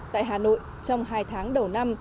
tại hà nội trong hai tháng đầu năm